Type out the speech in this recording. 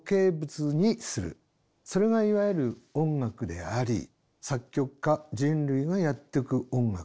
それがいわゆる音楽であり作曲家人類がやっていく音楽である。